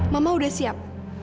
mama udah siap